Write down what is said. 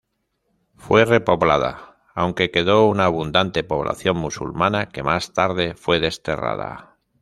Fue repoblada, aunque quedó una abundante población musulmana, que más tarde fue desterrada.